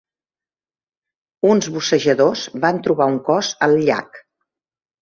Uns bussejadors van trobar un cos al llac.